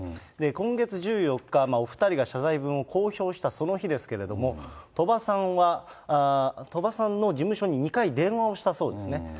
今月１４日、お２人が謝罪文を公表したその日ですけども、鳥羽さんの事務所に２回電話をしたそうですね。